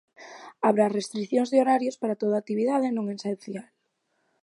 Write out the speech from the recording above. Haberá restricións de horarios para toda actividade non esencial.